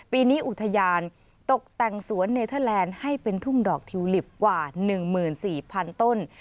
ปีนี้อุทยานตกแต่งสวนเนเทอร์แลนด์ให้เป็นทุ่งดอกทิวลิปกว่า๑๔๐๐๐ต้น